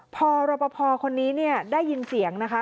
พอรับประพอคนนี้ได้ยินเสียงนะคะ